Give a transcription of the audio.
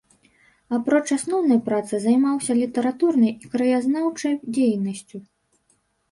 Апроч асноўнай працы займаўся літаратурнай і краязнаўчай дзейнасцю.